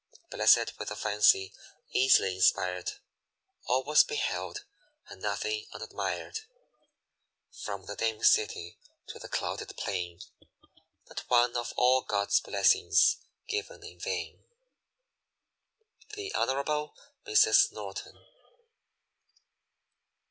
Blessed with a fancy easily inspired, All was beheld, and nothing unadmired; From the dim city to the clouded plain, Not one of all God's blessings given in vain. _Hon. Mrs. Norton.